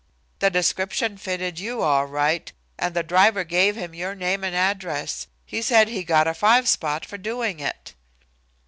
The description fitted you all right, and the driver gave him your name and address. He said he got a five spot for doing it."